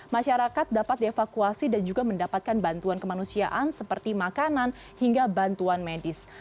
masyarakat dapat dievakuasi dan juga mendapatkan bantuan kemanusiaan seperti makanan hingga bantuan medis